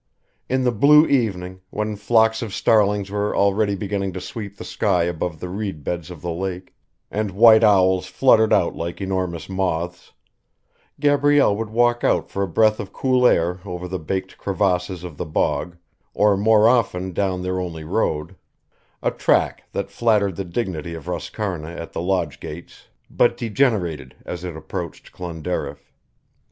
In the blue evening, when flocks of starlings were already beginning to sweep the sky above the reedbeds of the lake, and white owls fluttered out like enormous moths, Gabrielle would walk out for a breath of cool air over the baked crevasses of the bog, or more often down their only road; a track that flattered the dignity of Roscarna at the lodge gates but degenerated as it approached Clonderriff.